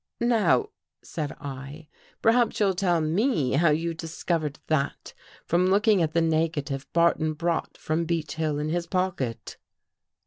" Now," said I, " perhaps you'll tell me how you discovered that from looking at the negative that Barton brought from Beech Hill in his pocket."